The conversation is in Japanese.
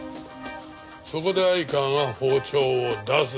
そこで相川が包丁を出す。